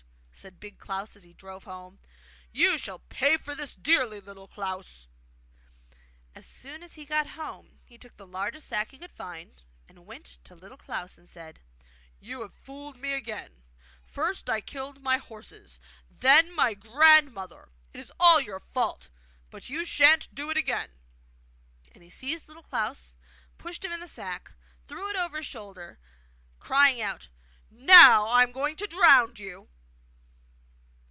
said Big Klaus as he drove home. 'You shall pay for this dearly, Little Klaus!' So as soon as he got home he took the largest sack he could find, and went to Little Klaus and said: 'You have fooled me again! First I killed my horses, then my grandmother! It is all your fault; but you sha'n't do it again!' And he seized Little Klaus, pushed him in the sack, threw it over his shoulder, crying out 'Now I am going to drown you!